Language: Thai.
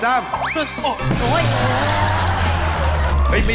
ไม่เล่นด้วยกันหน่อย